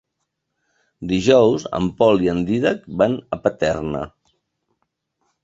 Dijous en Pol i en Dídac van a Paterna.